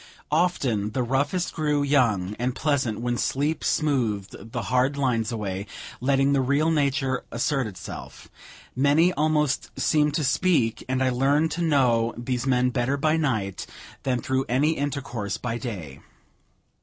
Often the roughest grew young and pleasant when sleep smoothed the hard lines away, letting the real nature assert itself; many almost seemed to speak, and I learned to know these men better by night than through any intercourse by day.